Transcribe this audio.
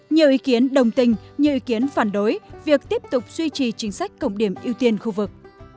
nhiều ý kiến đồng tình nhiều ý kiến phản đối việc tiếp tục duy trì chính sách cộng điểm ưu tiên khu vực